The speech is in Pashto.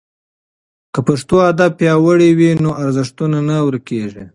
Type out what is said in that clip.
که پښتو ادب پیاوړی وي نو ارزښتونه نه ورکېږي.